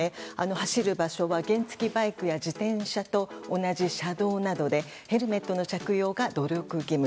走る場所は原付きバイクや自転車と同じ車道などでヘルメットの着用が努力義務。